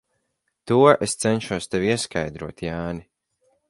To es cenšos tev ieskaidrot, Jāni.